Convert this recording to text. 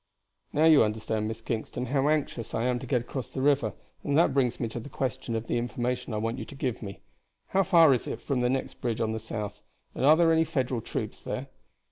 "Now you understand, Miss Kingston, how anxious I am to get across the river, and that brings me to the question of the information I want you to give me. How far is it from the next bridge on the south, and are there any Federal troops there?"